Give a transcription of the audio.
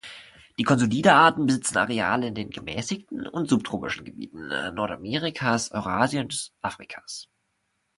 Die "Consolida"-Arten besitzen Areale in den gemäßigten und subtropischen Gebieten Nordamerikas, Eurasiens, Afrikas.